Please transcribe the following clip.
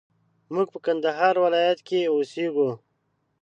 موږ په کندهار ولايت کښي اوسېږو